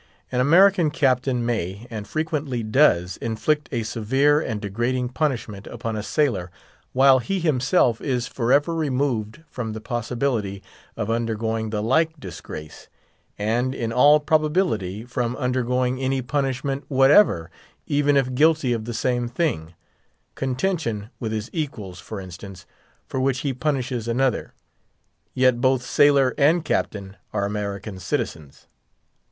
an American Captain may, and frequently does, inflict a severe and degrading punishment upon a sailor, while he himself is for ever removed from the possibility of undergoing the like disgrace; and, in all probability, from undergoing any punishment whatever, even if guilty of the same thing—contention with his equals, for instance—for which he punishes another. Yet both sailor and captain are American citizens.